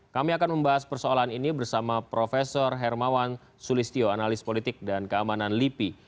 kami akan membahas persoalan ini bersama prof hermawan sulistyo analis politik dan keamanan lipi